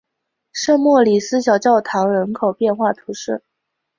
圣莫里斯小教堂人口变化图示